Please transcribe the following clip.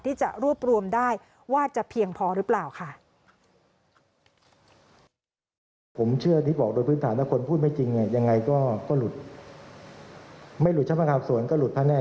ที่จะรวบรวมได้ว่าจะเพียงพอหรือเปล่าค่ะ